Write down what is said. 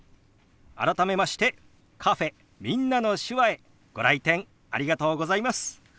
改めましてカフェ「みんなの手話」へご来店ありがとうございます。